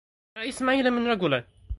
أإسماعيل من رجل